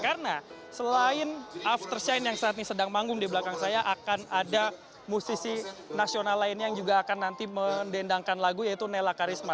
karena selain after shine yang saat ini sedang manggung di belakang saya akan ada musisi nasional lainnya yang juga akan nanti mendendangkan lagu yaitu nela karisma